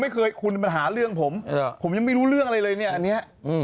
คุณมาหาเรื่องผมผมยังไม่รู้เรื่องอะไรเลยอันเนี้ย